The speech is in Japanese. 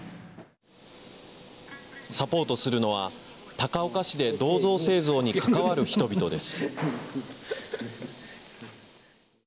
サポートするのは高岡市で銅像製造に関わる人々です。